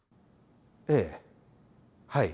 ええはい。